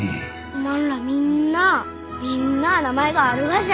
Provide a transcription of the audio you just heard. おまんらみんなあみんなあ名前があるがじゃ？